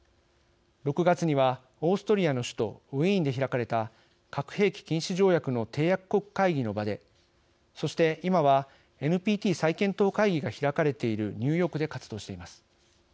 ６月には、オーストリアの首都ウィーンで開かれた核兵器禁止条約の締約国会議の場でそして今はＮＰＴ再検討会議が開かれているニューヨークで活動しています。